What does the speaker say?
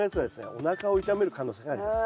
おなかを痛める可能性があります。